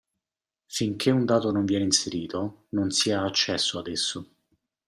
Finché un dato non viene inserito, non si ha accesso ad esso.